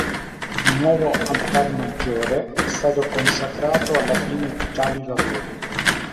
Il nuovo altar maggiore è stato consacrato alla fine di tali lavori.